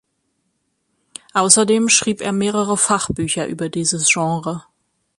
Außerdem schrieb er mehrere Fachbücher über dieses Genre.